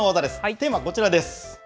テーマはこちらです。